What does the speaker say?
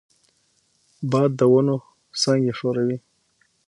باد د ونو څانګې ښوروي